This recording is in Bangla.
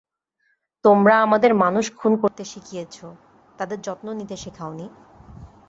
তোমরা আমাদের মানুষ খুন করতে শিখিয়েছ, তাদের যত্ন নিতে শেখাওনি।